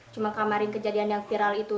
cuma kamarin kejadian yang viral itu